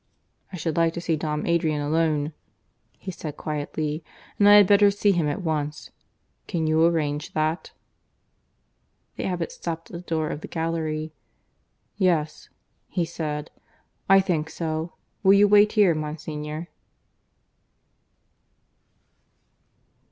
"I should like to see Dom Adrian alone," he said quietly; "and I had better see him at once. Can you arrange that?" The abbot stopped at the door of the gallery. "Yes," he said, "I think so. Will you wait here, Monsignor?"